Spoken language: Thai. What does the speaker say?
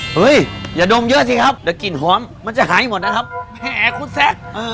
เฮ้ยอย่าดมเยอะสิครับเดี๋ยวกลิ่นหอมมันจะหายหมดนะครับแหมคุณแซค